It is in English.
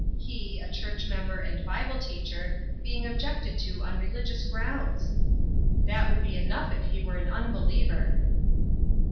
He, a church member and Bible teacher, being ob jected to on religious grounds ! That would be enough if he were an unbeliever.